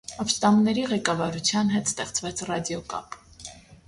Ապստամբների ղեկավարության հետ ստեղծվեց ռադիոկապ։